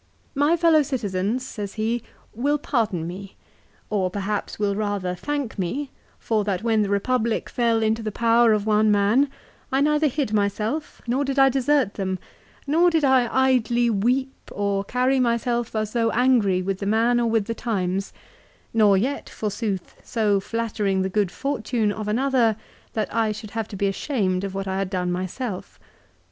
" My fellow citizens," says he, " will pardon me, or perhaps will rather thank me, for that when the Republic fell into the power of one man, I neither hid myself nor did I desert them, nor did I idly weep, or carry myself as though angry with the man or with the times ; nor yet, forsooth, so flattering the good fortune of another, that I should have to be ashamed of what I had done myself.